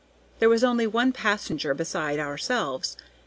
There was only one passenger beside ourselves.